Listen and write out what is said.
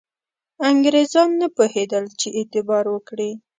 انګرېزان نه پوهېدل چې اعتبار وکړي.